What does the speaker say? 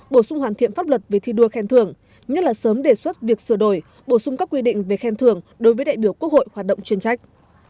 bổ sung hoàn thiện pháp luật về thi đua khen thưởng nhất là sớm đề xuất việc sửa đổi bổ sung các quy định về khen thưởng đối với đại biểu quốc hội hoạt động chuyên trách